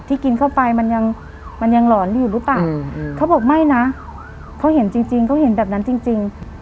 กินเข้าไปมันยังมันยังหลอนอยู่หรือเปล่าเขาบอกไม่นะเขาเห็นจริงเขาเห็นแบบนั้นจริง